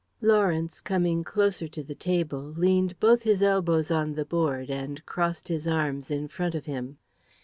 Lawrence, coming closer to the table, leaned both his elbows on the board, and crossed his arms in front of him.